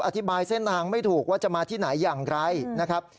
อธิบายเส้นทางไม่ถูกว่าจะมาที่ไหนอย่างไรนะครับ